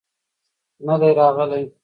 نه دى راغلى.